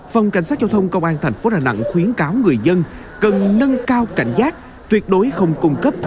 phòng cảnh sát giao thông công an tp hà nẵng khuyến cáo người dân cần nâng cao cảnh giác tuyệt đối không cung cấp